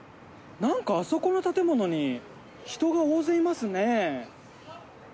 なんかあそこの建物に人が大勢いますね。